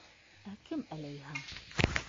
Ә кем әләйһәң?